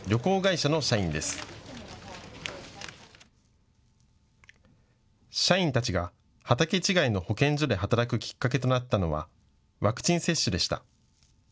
社員たちが畑違いの保健所で働くきっかけとなったのはワクチン接種でした。